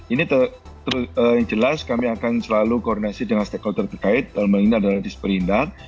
ini yang jelas kami akan selalu koordinasi dengan stakeholder terkait dalam hal ini adalah disperindak